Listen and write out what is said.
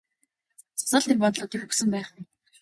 Цас л тэр бодлуудыг өгсөн байх.